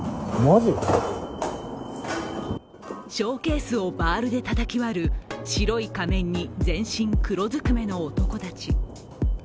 ショーケースをバールでたたき割る白い仮面に全身黒ずくめの男たち。